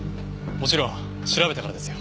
もちろん調べたからですよ。